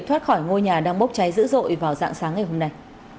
thoát khỏi ngôi nhà đang bốc cháy dữ dội vào dạng sáng ngày hôm nay